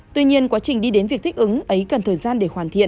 tuy nhiên quá trình đi đến việc thích ứng ấy cần thời gian để hoàn thiện